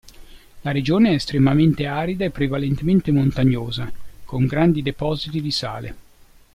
La regione è estremamente arida e prevalentemente montagnosa, con grandi depositi di sale.